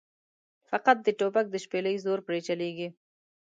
فقط د توپک د شپېلۍ زور پرې چلېږي.